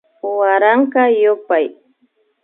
Waranka yupay